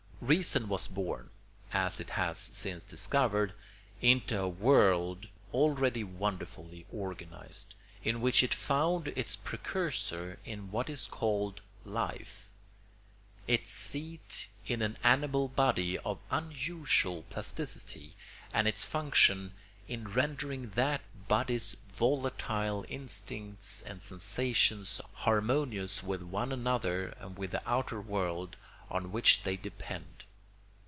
Reason was born, as it has since discovered, into a world already wonderfully organised, in which it found its precursor in what is called life, its seat in an animal body of unusual plasticity, and its function in rendering that body's volatile instincts and sensations harmonious with one another and with the outer world on which they depend.